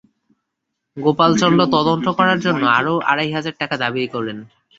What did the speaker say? গোপাল চন্দ্র তদন্ত করার জন্য আরও আড়াই হাজার টাকা দাবি করেন।